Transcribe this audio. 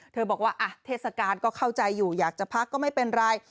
บอกว่าเทศกาลก็เข้าใจอยู่อยากจะพักก็ไม่เป็นไร